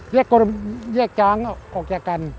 เยี่ยของช้างคาวผมแยกกัน